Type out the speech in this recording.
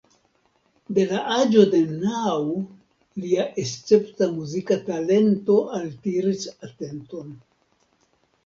De la aĝo de naŭ lia escepta muzika talento altiris atenton.